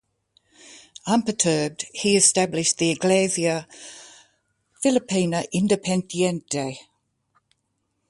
Unperturbed, he established the Iglesia Filipina Independiente.